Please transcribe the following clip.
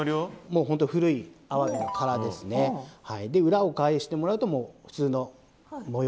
裏を返してもらうと普通の模様。